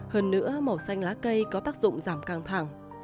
hơn nữa màu xanh lá cây có tác dụng giảm căng thẳng